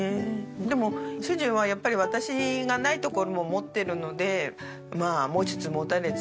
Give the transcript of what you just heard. でも主人はやっぱり私がないところも持ってるのでまあ持ちつ持たれつ。